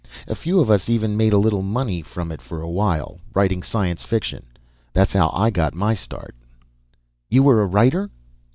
A few of us even made a little money from it for a while, writing science fiction. That's how I got my start." "You were a writer?"